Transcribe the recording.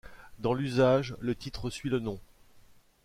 Dans l'usage, le titre suit le nom.